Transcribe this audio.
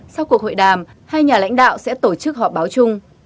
sau cuộc hội đàm hai nhà lãnh đạo sẽ tổ chức họp báo chung